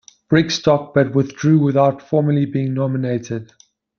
Brigstock, but withdrew without formally being nominated.